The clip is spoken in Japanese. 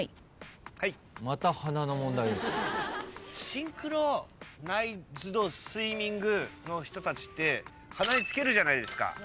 シンクロナイズドスイミングの人たちって鼻につけるじゃないですか。